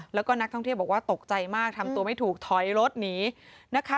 แล้วก็นักท่องเที่ยวบอกว่าตกใจมากทำตัวไม่ถูกถอยรถหนีนะคะ